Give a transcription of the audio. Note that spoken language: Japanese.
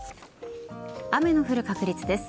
雨の降る確率です。